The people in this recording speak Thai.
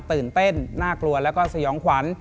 ตื่นเต้นน่ากลัวแล้วก็สยองขวัญ